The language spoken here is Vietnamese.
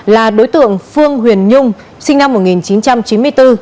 là đối tượng phương huyền nhung sinh năm một nghìn chín trăm chín mươi bốn